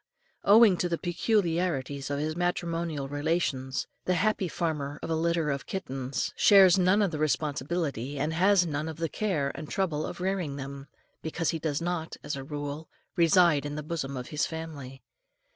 Owing to the peculiarities of his matrimonial relations, the happy father of a litter of kittens shares none of the responsibility, and has none of the care and trouble of rearing them, because he does not, as a rule, reside in the bosom of his family.